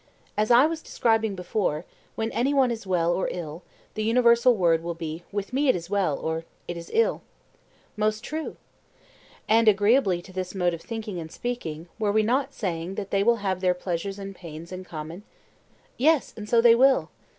As I was describing before, when any one is well or ill, the universal word will be 'with me it is well' or 'it is ill.' Most true. And agreeably to this mode of thinking and speaking, were we not saying that they will have their pleasures and pains in common? Yes, and so they will.